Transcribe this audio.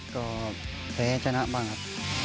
ก็แพ้ชนะบ้างครับ